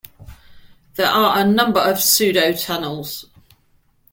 There are a number of pseudo tunnels.